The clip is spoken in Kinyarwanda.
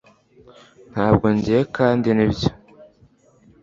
ntabwo ngiye, kandi nibyo